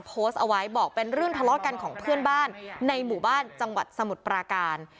โพสต์เอาไว้บอกเป็นเรื่องทะเลาะกันของเพื่อนบ้านในหมู่บ้านจังหวัดสมุทรปราการ